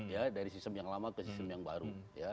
ya dari sistem yang lama ke sistem yang baru